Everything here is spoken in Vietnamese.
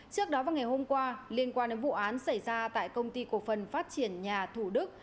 trước đó vào ngày hôm qua liên quan đến vụ án xảy ra tại công ty cổ phần phát triển nhà thủ đức